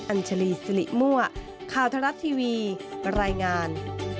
อัญชลีสิริมั่วข่าวทะลัดทีวีรายงาน